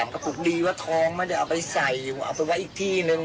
๓ก็ปลูกดีว่าท้องไม่ได้เอาไปใส่เอาไปไว้อีกที่หนึ่ง